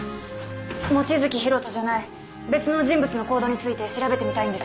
望月博人じゃない別の人物の行動について調べてみたいんです。